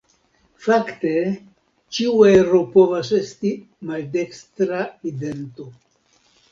Fakte, ĉiu ero povas esti maldekstra idento.